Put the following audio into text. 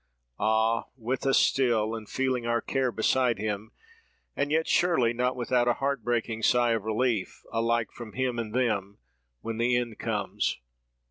—'Ah! with us still, and feeling our care beside him!'—and yet surely not without a heartbreaking sigh of relief, alike from him and them, when the end comes.